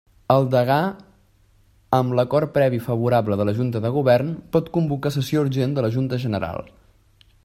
El degà, amb l'acord previ favorable de la Junta de Govern, pot convocar sessió urgent de la Junta General.